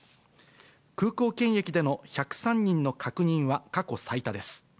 空港検疫での１０３人の確認は過去最多です。